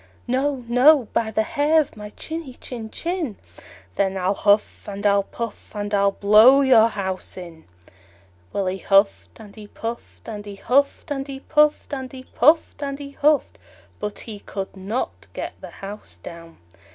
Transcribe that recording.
"No, no, by the hair of my chinny chin chin." "Then I'll huff and I'll puff, and I'll blow your house in." Well, he huffed and he puffed, and he huffed and he puffed, and he puffed and he huffed; but he could not get the house down.